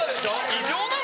異常なの？